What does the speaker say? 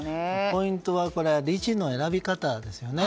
ポイントは理事の選び方ですね。